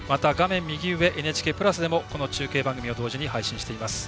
「ＮＨＫプラス」でもこの中継番組を同時に配信しています。